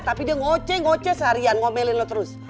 tapi dia ngoceh ngoce seharian ngomelin lo terus